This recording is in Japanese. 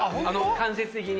間接的に。